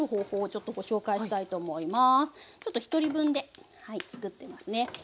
ちょっと１人分で作ってますね。